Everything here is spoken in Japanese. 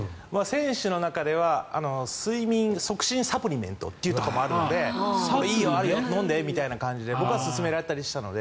選手の中では睡眠促進サプリメントとかを持つ人もいるのでいいのあるよ飲んでみたいな感じで僕は勧められたりしたので。